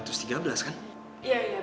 iya iya benar benar